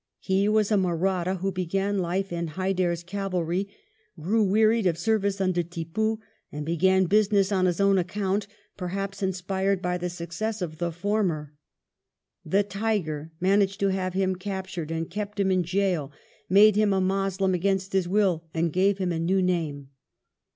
He was a Mahratta who began life in Hyder's cavalry, grew wearied of service under Tippoo, and began business on his own account, perhaps inspired by the success of the former. The Tiger managed to have him captured, kept him in gaol, made him a Moslem against his will, and gave him a new name.